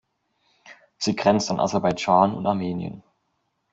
Sie grenzt an Aserbaidschan und Armenien.